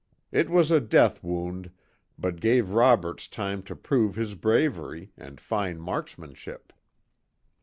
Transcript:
It was a death wound, but gave Roberts time to prove his bravery, and fine marksmanship.